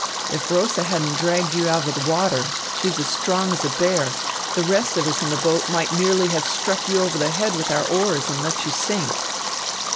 If Rosa hadn't dragged you out of the water she's as strong as a bear the rest of us in the boat might merely have struck you over the head with our oars and let you sink."